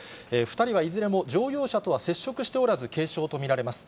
２人はいずれも、乗用車とは接触しておらず、軽傷と見られます。